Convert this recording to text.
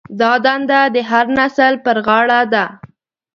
دا دنده د هر نسل پر غاړه ده.